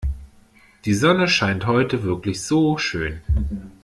Die Sonne scheint heute wirklich so schön.